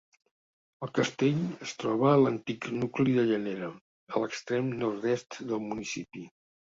El castell es troba a l'antic nucli de Llanera, a l'extrem nord-est del municipi.